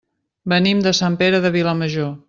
Venim de Sant Pere de Vilamajor.